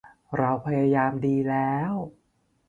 เราพยายามดีแล้ว